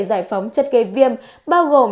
giải phóng chất gây viêm bao gồm